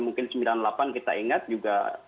mungkin sembilan puluh delapan kita ingat juga